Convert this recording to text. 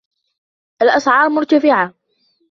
الأسعار مرتفعة.